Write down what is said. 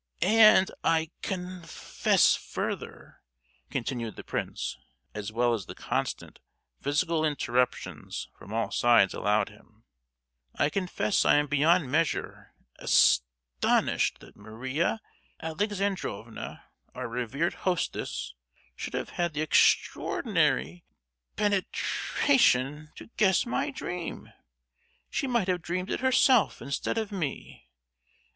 "And I con—fess further," continued the Prince, as well as the constant physical interruptions from all sides allowed him; "I confess I am beyond measure as—tonished that Maria Alexandrovna, our revered hostess, should have had the extraordinary penet—ration to guess my dream! She might have dreamed it herself, instead of me.